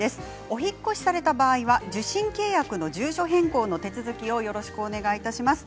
お引っ越しされた場合は受信契約の住所変更の手続きをよろしくお願いいたします。